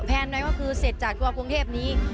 แพนไว้ว่าคือเสร็จจากกว่ากรุงเทพนี้